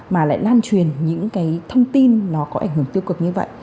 mà lại lan truyền những cái thông tin nó có ảnh hưởng tiêu cực như vậy